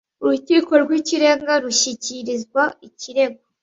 Urukiko rw Ikirenga rushyikirizwa ikirego